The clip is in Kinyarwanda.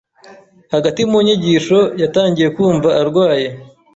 Hagati mu nyigisho, yatangiye kumva arwaye.